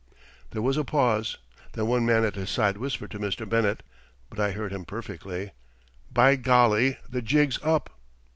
There was a pause; then one man at his side whispered to Mr. Bennett (but I heard him perfectly): "By golly, the jig's up!"